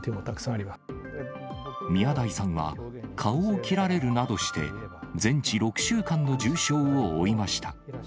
宮台さんは、顔を切られるなどして、全治６週間の重傷を負いました。